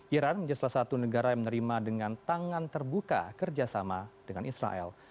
iran menjadi salah satu negara yang menerima dengan tangan terbuka kerjasama dengan israel